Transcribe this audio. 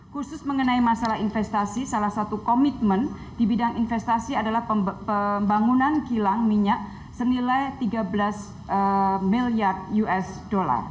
khusus mengenai masalah investasi salah satu komitmen di bidang investasi adalah pembangunan kilang minyak senilai tiga belas miliar usd